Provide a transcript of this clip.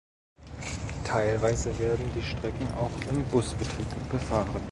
Teilweise werden die Strecken auch im Busbetrieb befahren.